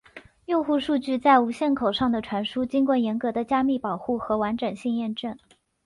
用户数据在无线口上的传输经过严格的加密保护和完整性验证。